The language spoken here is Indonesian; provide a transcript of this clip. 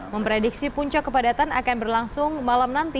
memprediksi puncak kepadatan akan berlangsung malam nanti